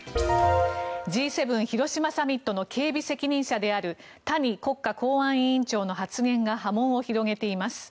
Ｇ７広島サミットの警備責任者である谷国家公安委員長の発言が波紋を広げています。